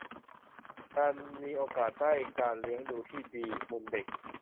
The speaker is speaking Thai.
- การมีโอกาสได้การเลี้ยงดูที่ดี มุมเด็ก